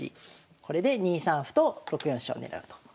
これで２三歩と６四飛車を狙うと。